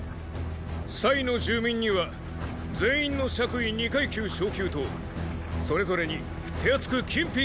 の住民には全員の爵位二階級昇級とそれぞれに手厚く金品を授ける！